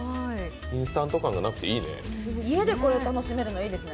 インスタント感がなくていいですね。